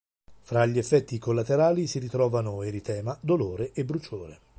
Fra gli effetti collaterali si ritrovano eritema, dolore e bruciore